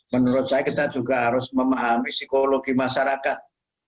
menurut saya kita juga harus memahami psikologi masyarakat